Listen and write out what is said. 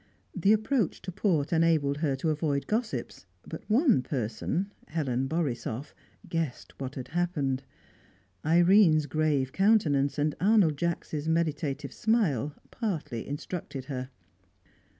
The approach to port enabled her to avoid gossips, but one person, Helen Borisoff, guessed what had happened; Irene's grave countenance and Arnold Jacks' meditative smile partly instructed her.